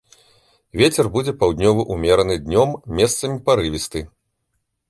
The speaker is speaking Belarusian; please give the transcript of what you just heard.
Вецер будзе паўднёвы ўмераны, днём месцамі парывісты.